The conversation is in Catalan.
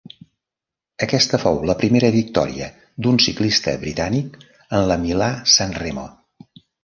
Aquesta fou la primera victòria d'un ciclista britànic en la Milà-Sanremo.